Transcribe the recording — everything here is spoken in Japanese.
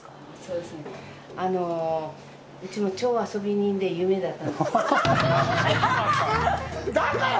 うちの、超遊び人で有名だったんですよ。